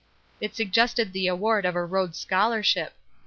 It suggested the award of a Rhodes Scholarship.